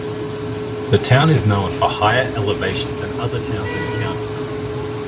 The town is known for higher elevation than other towns in the county.